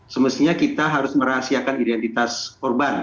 semestinya kita harus merahasiakan identitas korban